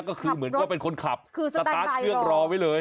ก็คือเหมือนก็เป็นคนขับคือสตาร์ทเครื่องรอไว้เลย